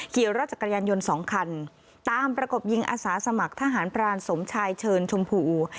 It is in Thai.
ขี่รถจักรยานยนต์สองคันตามประกบยิงอาสาสมัครทหารพรานสมชายเชิญชมพู